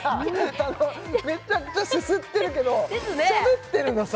めちゃくちゃすすってるけどしゃべってるのさ！